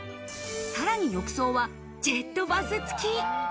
さらに浴槽はジェットバスつき。